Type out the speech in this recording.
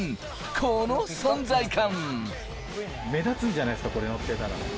この存在感！